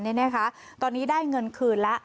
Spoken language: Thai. นี่นะคะตอนนี้ได้เงินคืนแล้ว